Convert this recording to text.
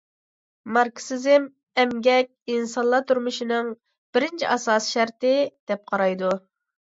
ماركسىزم ئەمگەك ئىنسانلار تۇرمۇشىنىڭ بىرىنچى ئاساسىي شەرتى، دەپ قارايدۇ.